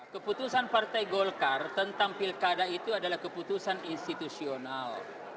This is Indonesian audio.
keputusan partai golkar tentang pilkada itu adalah keputusan institusional